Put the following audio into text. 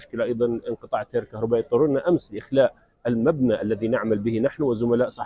kami dan para jurnalis yang kami kerjakan karena pembinaan tersebut menyerang daerah